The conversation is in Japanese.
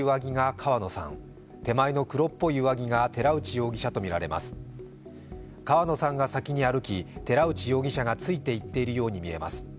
川野さんが先に歩き寺内容疑者がついていっているように見えます。